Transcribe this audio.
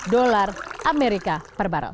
empat puluh lima dolar amerika per barrel